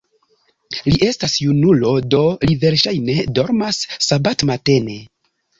Li estas junulo, do li verŝajne dormas sabatmatene.